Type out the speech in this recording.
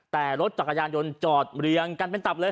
แต่รถจักรยานยนต์จอดเรียงกันเป็นตับเลย